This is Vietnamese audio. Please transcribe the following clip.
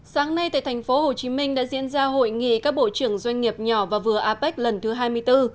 sáng nay tại tp hcm đã diễn ra hội nghị các bộ trưởng doanh nghiệp nhỏ và vừa apec lần thứ hai mươi bốn